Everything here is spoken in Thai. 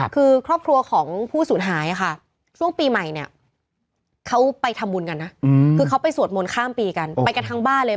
คือครอบครัวของผู้สูญหายค่ะช่วงปีใหม่เนี่ยเขาไปทำบุญกันนะคือเขาไปสวดมนต์ข้ามปีกันไปกันทั้งบ้านเลย